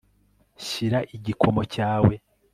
shyira igikomo cyawe